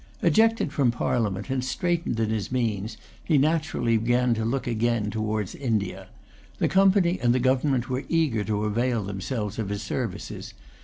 Ejected from Parliament, and straitened in his means, he naturally began to look again towards India. The Company and the Government were eager to avail themselves of his services.